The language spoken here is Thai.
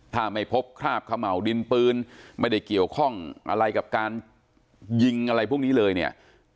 ถ้าไม่พบคราบเขม่าวดินปืนไม่ได้เกี่ยวข้องอะไรกับการยิงอะไรพวกนี้เลยเนี่ย